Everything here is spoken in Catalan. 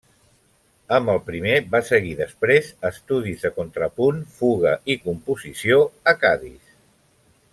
Amb el primer va seguir després estudis de contrapunt, fuga i composició a Cadis.